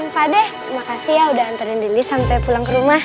pak de terima kasih ya udah anterin dili sampai pulang ke rumah